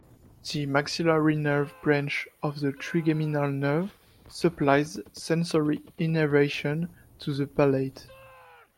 The maxillary nerve branch of the trigeminal nerve supplies sensory innervation to the palate.